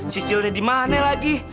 sisilnya dimana lagi